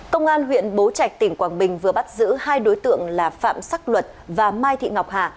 công an huyện bố trạch tỉnh quảng bình vừa bắt giữ hai đối tượng là phạm sắc luật và mai thị ngọc hà